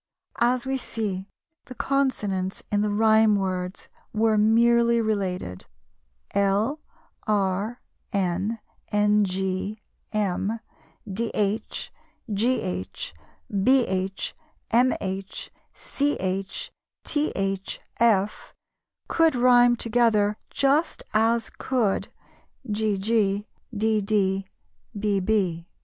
As we see, the consonants in the rhyme words were merely related: l, r, n, ng, m, dh, gh, bh, mh, ch, th, f could rime together just as could gg, dd, bb.